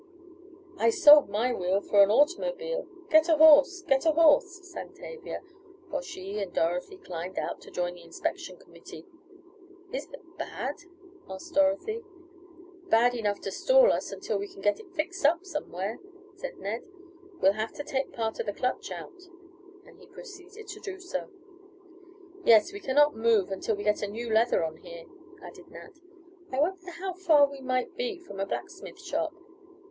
"I sold my wheel for an automobile; Get a horse! Get a horse!" sang Tavia, while she and Dorothy climbed out to join the inspection committee. "Is it bad?" asked Dorothy. "Bad enough to stall us until we can get it fixed up somewhere," said Ned. "We'll have to take part of the clutch out," and he proceeded to do so. "Yes, we cannot move until we get a new leather on here," added Nat. "I wonder how far we might be from a blacksmith shop."